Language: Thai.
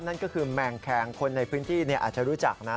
นั่นก็คือแมงแคงคนในพื้นที่อาจจะรู้จักนะ